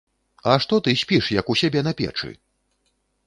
А што ты спіш, як у сябе на печы?